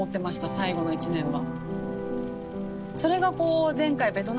最後の１年は。